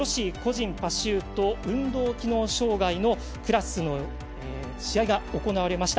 きょう、女子個人パシュート運動機能障がいのクラスの試合が行われました。